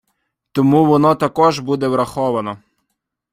Тому воно також буде враховано.